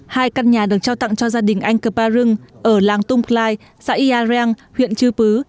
hai căn nhà được trao tặng cho gia đình anh cơ ba rưng ở làng tung klai xã yia rang huyện chư pư